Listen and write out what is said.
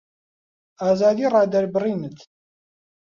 ئازادی ڕادەربڕینت